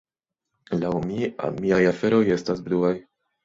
"Laŭ mi, miaj aferoj estas bluaj."